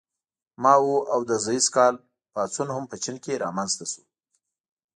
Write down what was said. مائو او د ز کال پاڅون هم په چین کې رامنځته شو.